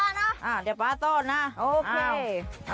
ดังเป็นก้อนอย่าง